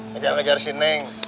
kejar kejar si neng